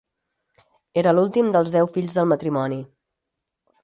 Era l'últim dels deu fills del matrimoni.